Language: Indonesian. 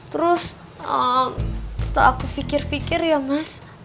terus setelah aku fikir fikir ya mas